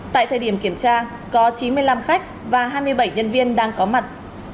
tại thời điểm kiểm tra có chín mươi năm khách và hai mươi bảy nhân viên đang có mặt